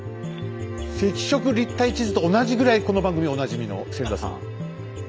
赤色立体地図と同じぐらいこの番組おなじみの千田さん。